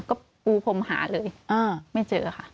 ก็ปูพรมหาเลยไม่เจอค่ะ